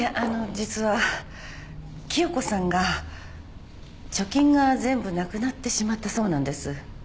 実は清子さんが貯金が全部無くなってしまったそうなんです。